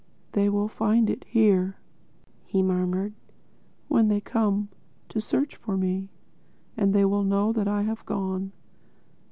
"They will find it here," he murmured, "when they come to search for me. And they will know that I have gone....